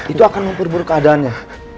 itu akan memburbur keadaannya